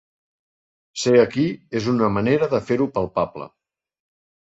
Ser aquí és una manera de fer-ho palpable.